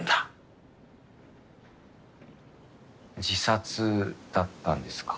自殺だったんですか？